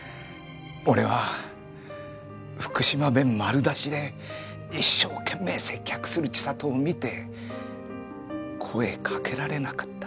俺は福島弁丸出しで一生懸命接客する千里を見て声かけられなかった。